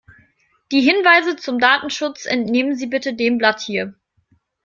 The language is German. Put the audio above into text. Die Hinweise zum Datenschutz entnehmen Sie bitte dem Blatt hier.